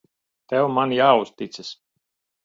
Tev man jāuzticas.